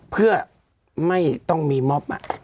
เพื่อไม่ต้องมีมอบ